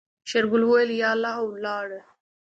شېرګل وويل يا الله او ولاړ.